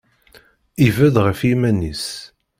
Ibedd ɣef yiman-is.